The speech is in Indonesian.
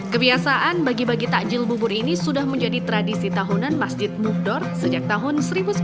kebiasaan bagi bagi takjil bubur ini sudah menjadi tradisi tahunan masjid mufdor sejak tahun seribu sembilan ratus sembilan puluh